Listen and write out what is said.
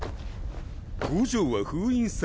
「五条は封印された」。